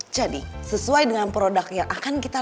jadi sesuai dengan produk yang akan kita